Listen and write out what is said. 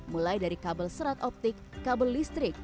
mulai dari kabel serat optik kabel listrik